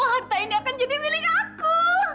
harta ini akan jadi milik aku